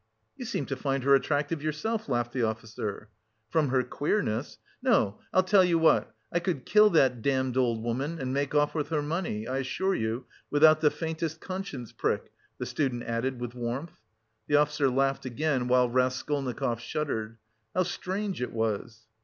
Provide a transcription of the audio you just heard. "You seem to find her attractive yourself," laughed the officer. "From her queerness. No, I'll tell you what. I could kill that damned old woman and make off with her money, I assure you, without the faintest conscience prick," the student added with warmth. The officer laughed again while Raskolnikov shuddered. How strange it was!